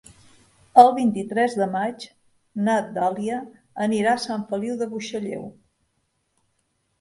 El vint-i-tres de maig na Dàlia anirà a Sant Feliu de Buixalleu.